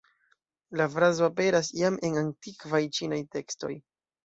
La frazo aperas jam en antikvaj ĉinaj tekstoj.